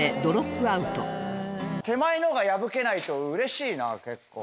手前のが破けないと嬉しいな結構。